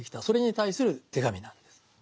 それに対する手紙なんです。